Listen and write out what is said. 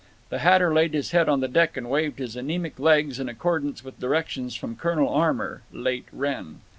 The hatter laid his head on the deck and waved his anemic legs in accordance with directions from Colonel Armour (late Wrenn).